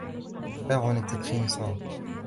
الإقلاع عن التدخين صعب.